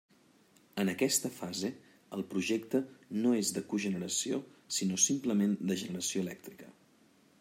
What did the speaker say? En aquesta fase, el Projecte no és de cogeneració, sinó simplement de generació elèctrica.